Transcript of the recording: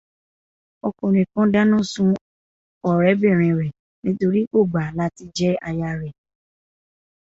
Ọkùnrin kan dáná sún ọ̀rẹ́bìnrin rẹ̀ nítorí kó gbà látí jẹ́ aya rẹ̀.